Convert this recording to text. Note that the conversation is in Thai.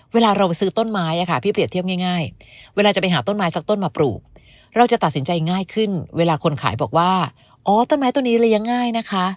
เวลาเราซื้อต้นไม้พี่เปรียบเทียบง่าย